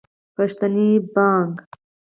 پښتني بانګ